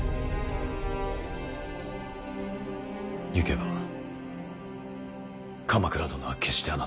行けば鎌倉殿は決してあなたを許さない。